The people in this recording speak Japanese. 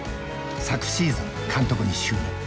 昨シーズン監督に就任。